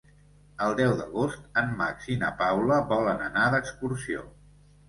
El deu d'agost en Max i na Paula volen anar d'excursió.